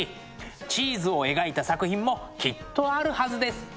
チーズを描いた作品もきっとあるはずです。